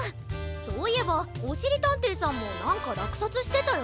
そういえばおしりたんていさんもなんからくさつしてたよな。